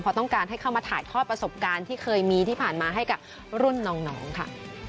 เพราะต้องการให้เข้ามาถ่ายทอดประสบการณ์ที่เคยมีที่ผ่านมาให้กับรุ่นน้องค่ะ